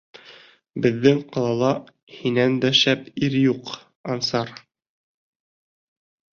Беҙҙең ҡалала һинән дә шәп ир юҡ, Ансар!